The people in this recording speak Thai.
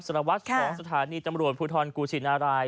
สารวัตรของสถานีตำรวจภูทรกูชินาราย